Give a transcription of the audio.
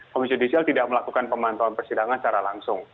komisi judisial tidak melakukan pemantauan persidangan secara langsung